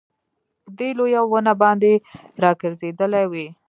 په دې لويه ونه باندي راګرځېدلې وې